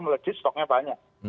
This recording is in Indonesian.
melejit stoknya banyak